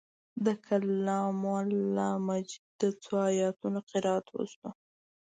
د کلام الله مجید د څو آیتونو قرائت وشو.